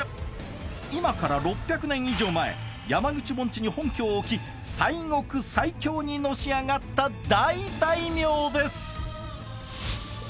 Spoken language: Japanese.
今から６００年以上前山口盆地に本拠を置き西国最強にのし上がった大大名です！